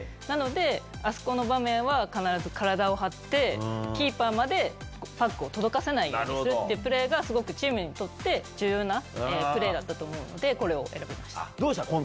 なので、あそこの場面は、必ず体を張って、キーパーまでパックを届かせないようにするっていうプレーがすごくチームにとって重要なプレーだったと思うので、これを選びましどうでした？